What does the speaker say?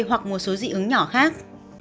hoặc một số dị ứng nhỏ khác